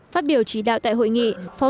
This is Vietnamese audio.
phát biểu trí đạo tại hội nghị